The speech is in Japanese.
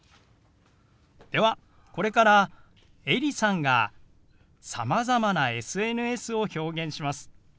ではこれからエリさんがさまざまなＳＮＳを表現します。